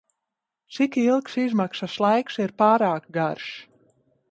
Cik ilgs izmaksas laiks ir pārāk garš?